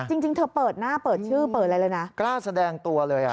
จริงจริงเธอเปิดหน้าเปิดชื่อเปิดอะไรเลยนะกล้าแสดงตัวเลยอ่ะ